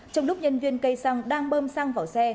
trong lúc nhân viên cây răng đang bơm răng vào xe